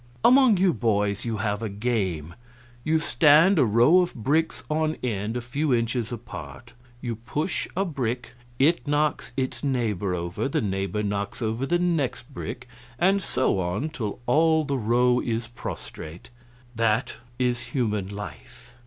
Among you boys you have a game: you stand a row of bricks on end a few inches apart; you push a brick, it knocks its neighbor over, the neighbor knocks over the next brick and so on till all the row is prostrate. That is human life.